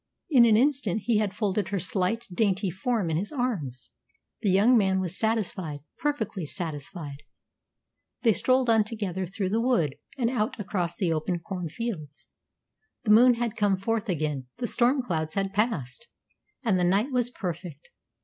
In an instant he had folded her slight, dainty form in his arms. The young man was satisfied, perfectly satisfied. They strolled on together through the wood, and out across the open corn fields. The moon had come forth again, the storm clouds had passed, and the night was perfect.